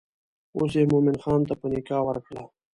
اوس یې مومن خان ته په نکاح ورکړه.